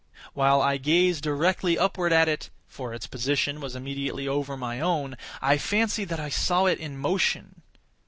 While I gazed directly upward at it (for its position was immediately over my own) I fancied that I saw it in motion.